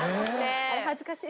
恥ずかしい。